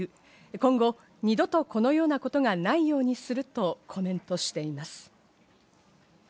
今後二度と、このようなことがないようにするとコメントしています。